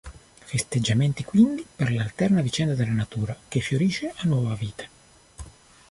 Festeggiamenti quindi per l'alterna vicenda della natura che fiorisce a nuova vita.